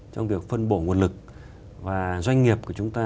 trong việc phân bổ nguồn lực và doanh nghiệp của chúng ta